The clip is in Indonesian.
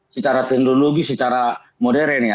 secara teknologi secara modern ya